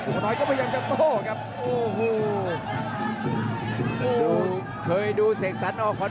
ขนตาลก็ไม่ยังจะโทรมาครับ